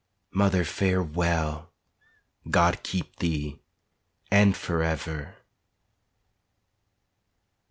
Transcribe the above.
Mother, farewell! God keep thee and forever!